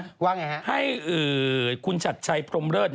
ว่าอย่างไรครับให้คุณชัดชัยพรมเลิศ